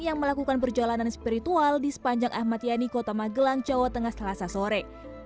yang melakukan perjalanan spiritual di sepanjang ahmad yani kota magelang jawa tengah selasa sore